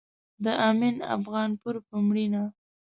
د امين افغانپور په مړينه